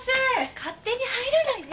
勝手に入らないで！